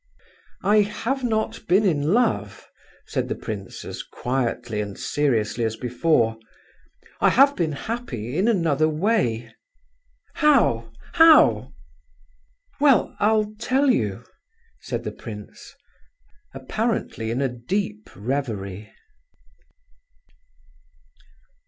"I have not been in love," said the prince, as quietly and seriously as before. "I have been happy in another way." "How, how?" "Well, I'll tell you," said the prince, apparently in a deep reverie.